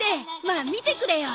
まあ見てくれよ。